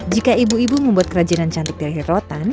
jika ibu ibu membuat kerajinan cantik dari rotan